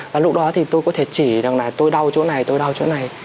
và lúc đó thì tôi có thể chỉ rằng là tôi đau chỗ này tôi đau chỗ này